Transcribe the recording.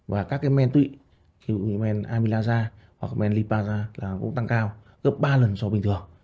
và các cái men tụy như men amilasa hoặc men lipasa cũng tăng cao gấp ba lần so với bình thường